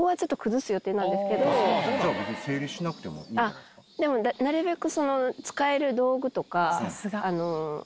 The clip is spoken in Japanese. あっでもなるべく。